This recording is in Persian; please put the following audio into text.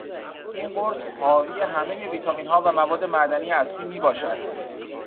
این قرص حاوی همهی ویتامینها و مواد معدنی اصلی می باشد.